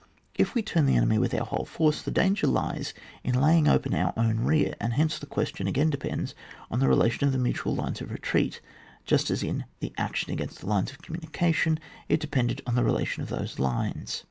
If we turn the enemy with our whole force, the danger lies in the laying open our own rear; and hence the question again depends on the relation of the mutual lines of retreat, just as in the action against the lines of communica tion, it depended on the relation of those lines.